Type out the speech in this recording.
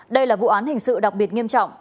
đây là vụ án hình sự đặc biệt nghiêm trọng